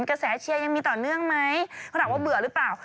กระแสเชียร์ยังมีต่อเนื่องไหมเขาถามว่าเบื่อหรือเปล่า